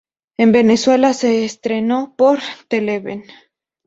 En Venezuela se estrenó por Televen.